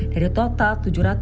dari total tujuh ratus